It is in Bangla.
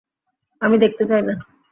আমি দেখতে চাই না।